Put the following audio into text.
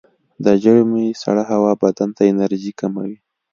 د ژمي سړه هوا بدن ته انرژي کموي.